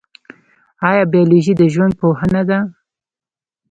ایا بیولوژي د ژوند پوهنه ده؟